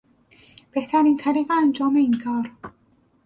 بهترین طریق انجام این کار